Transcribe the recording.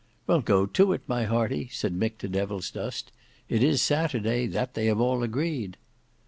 "Well, go it my hearty," said Mick to Devilsdust. "It is Saturday, that they have all agreed."